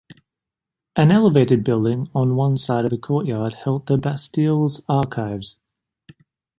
An elevated building on one side of the courtyard held the Bastille's archives.